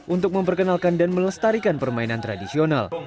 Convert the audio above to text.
untuk memperkenalkan dan melestarikan permainan tradisional